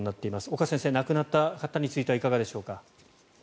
岡先生、亡くなった方についてはいかがでしょうか。